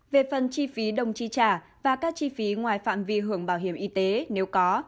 về phần chi phí đồng chi trả và các chi phí ngoài phạm vi hưởng bảo hiểm y tế nếu có